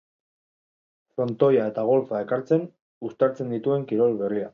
Frontoia eta golf-a elkartzen, uztartzen dituen kirol berria.